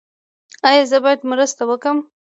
ایا زه باید مرسته وکړم؟